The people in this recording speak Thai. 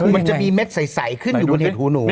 มันจะมีเม็ดใสขึ้นอยู่บนเห็ดหูหนู